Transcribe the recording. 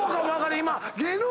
今。